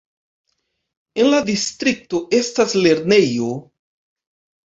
En la distrikto estas lernejo.